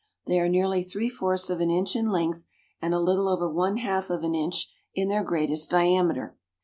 They are nearly three fourths of an inch in length, and a little over one half of an inch in their greatest diameter.